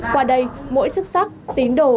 qua đây mỗi chức sắc tín đồ